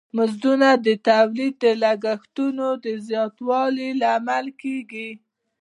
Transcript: مزدونه د تولید د لګښتونو د زیاتوالی لامل کیږی.